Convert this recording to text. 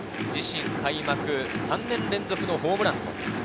自身開幕３年連続のホームラン。